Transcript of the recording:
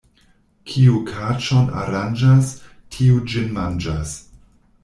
Kiu kaĉon aranĝas, tiu ĝin manĝas.